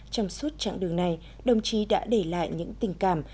trong suốt chặng đường này đồng chí đã để lại những tình cảm